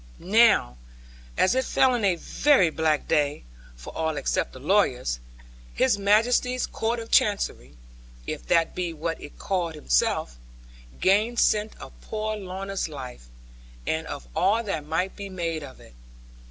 Now, as it fell in a very black day (for all except the lawyers) His Majesty's Court of Chancery, if that be what it called itself, gained scent of poor Lorna's life, and of all that might be made of it.